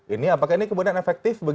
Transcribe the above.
ini apakah ini kemudian efektif